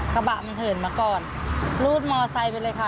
กระบะมันเหินมาก่อนรูดมอไซค์ไปเลยค่ะ